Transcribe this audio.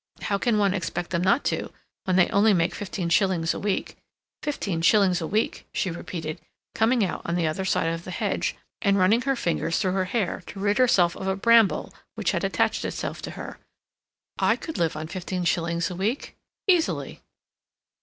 How can one expect them not to, when they only make fifteen shillings a week? Fifteen shillings a week," she repeated, coming out on the other side of the hedge, and running her fingers through her hair to rid herself of a bramble which had attached itself to her. "I could live on fifteen shillings a week—easily."